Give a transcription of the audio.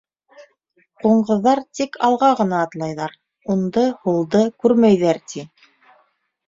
Ҡуңыҙҙар тик алға ғына атлайҙар, унды-һулды күрмәйҙәр, ти.